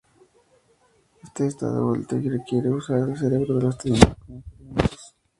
Este está de vuelta y quiere usar el cerebro de los estudiantes cómo experimentos.